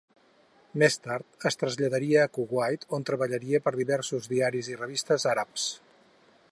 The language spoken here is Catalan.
Més tard es traslladaria a Kuwait on treballaria per diversos diaris i revistes àrabs.